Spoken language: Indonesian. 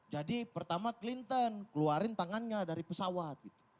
jadi pertama clinton keluarin tangannya dari pesawat